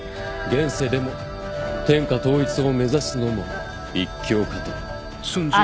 現世でも天下統一を目指すのも一興かと。